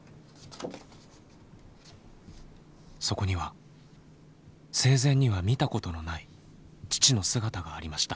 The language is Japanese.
そこには生前には見たことのない父の姿がありました。